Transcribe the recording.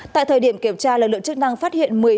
tại thời điểm kiểm tra lực lượng chức năng phát hiện